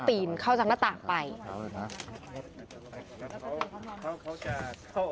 ทีมข่าวเราก็พยายามสอบปากคำในแหบนะครับ